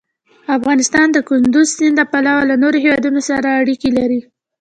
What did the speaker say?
افغانستان د کندز سیند له پلوه له نورو هېوادونو سره اړیکې لري.